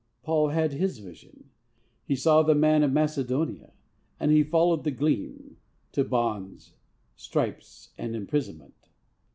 Paul had his vision; he saw the Man of Macedonia; and he followed the gleam to bonds, stripes, and imprisonment.